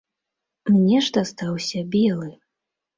Мне ж дастаўся белы.